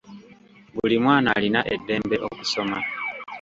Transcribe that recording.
Buli mwana alina eddembe okusoma.